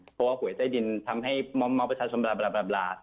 เพราะว่าห่วยใต้ดินทำให้ม้องพระชาชนบลา